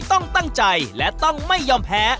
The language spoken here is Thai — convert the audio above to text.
ต้องตั้งใจและต้องไม่ยอมแพ้